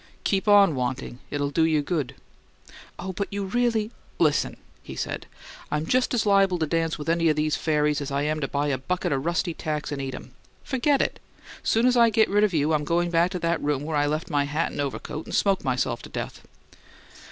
"Keep on wanting; it'll do you good." "Oh, but you really " "Listen!" he said. "I'm just as liable to dance with any of these fairies as I am to buy a bucket o' rusty tacks and eat 'em. Forget it! Soon as I get rid of you I'm goin' back to that room where I left my hat and overcoat and smoke myself to death."